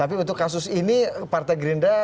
tapi untuk kasus ini partai gerindra tidak ada